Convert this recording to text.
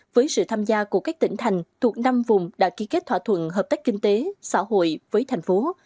với sự tham gia của các tỉnh thành thuộc năm vùng đã ký kết thỏa thuận hợp tác kinh tế xã hội với thành phố